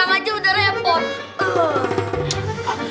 yang kedua kejar jadon kenceng